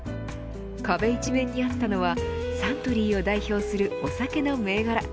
壁一面にあったのはサントリーを代表するお酒の銘柄。